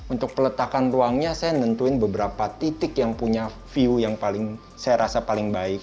untuk peletakan ruangnya saya nentuin beberapa titik yang punya view yang paling saya rasa paling baik